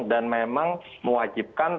dan memang mewajibkan